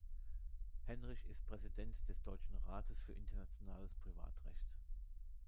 Henrich ist Präsident des Deutschen Rates für Internationales Privatrecht.